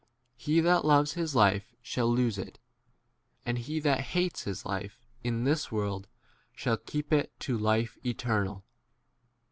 He that loves his life shall lose it, and he that hates his life in this world shall 26 keep it to life eternal.